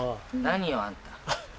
何よあんた。